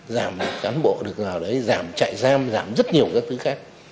giảm được cán bộ được vào đấy giảm chạy giam giảm rất nhiều các phí khác